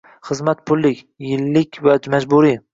Xizmat pullik, yillik va majburiy